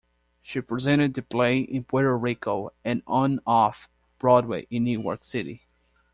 She presented the play in Puerto Rico and on Off-Broadway in New York City.